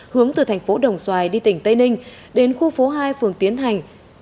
hướng từ thành phố đồng xoài đi tỉnh tây ninh đến khu phố hai phường tiến thành